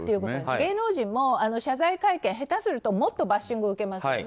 芸能人も謝罪会見、下手するともっとバッシングを受けますよね。